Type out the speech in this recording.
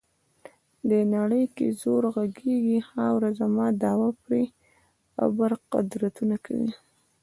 دې نړۍ کې زور غږیږي، خاوره زما دعوه پرې ابر قدرتونه کوي.